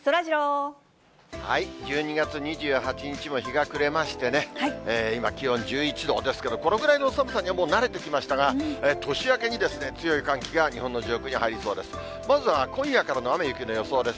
１２月２８日も日が暮れましてね、今、気温１１度、ですからこのぐらいの寒さにはもう慣れてきましたが、年明けに強い寒気が日本の上空に入りそうです。